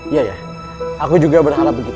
iya ya aku juga berharap begitu